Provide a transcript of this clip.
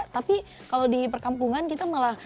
tapi kalau di perkampungan kita malah